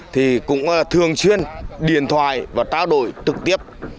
thì cũng thường xuyên điện thoại và trao đổi trực tiếp